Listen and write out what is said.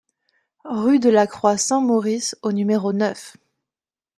Rue de la Croix Saint-Maurice au numéro neuf